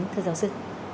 thưa giáo sư